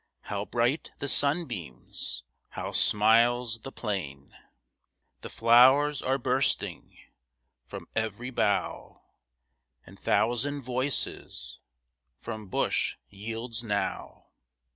How bright the sunbeams! How smiles the plain! The flow'rs are bursting From ev'ry bough, And thousand voices Each bush yields now.